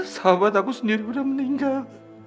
sahabat aku sendiri sudah meninggal